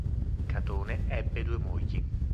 Catone ebbe due mogli.